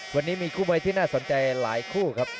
วันนี้มีคู่มวยที่น่าสนใจหลายคู่ครับ